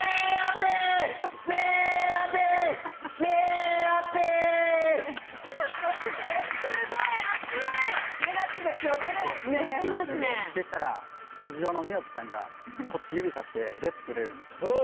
これやってってしたらステージ上のみおぴちゃんがこっち指さしてレスくれるんですよね